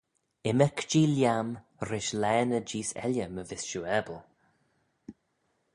Ymmyrk-jee lhiam rish laa ny jees elley my vees shiu abyl.